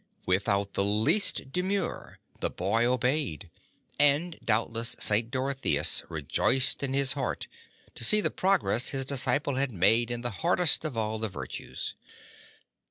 Without the least demur the boy obeyed, and doubtless St. Dorotheas rejoiced in his heart to see the progress his disciple had made in the hard est of all the virtues.